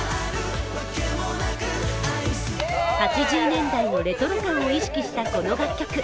８０年代のレトロ感を意識したこの楽曲。